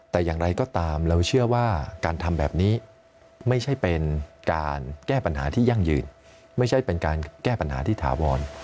แต่อย่างไรก็ตามเราเชื่อว่าการทำแบบนี้ไม่ใช่เป็นการแก้ปัญหาที่ยั่งยืนไม่ใช่เป็นการแก้ปัญหาที่ถาวร